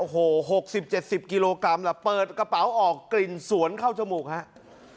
โอ้โห๖๐๗๐กิโลกรัมล่ะเปิดกระเป๋าออกกลิ่นสวนเข้าจมูกครับ